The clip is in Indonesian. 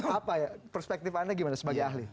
apa ya perspektif anda gimana sebagai ahli